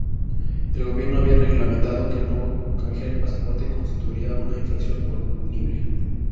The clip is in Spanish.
El gobierno había reglamentado que no canjear el pasaporte constituiría una infracción punible.